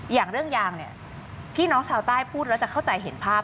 อย่างเรื่องยางเนี่ยพี่น้องชาวใต้พูดแล้วจะเข้าใจเห็นภาพ